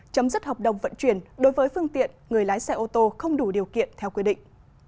chấm dứt hợp đồng vận chuyển đối với phương tiện người lái xe ô tô không đủ điều kiện theo quy định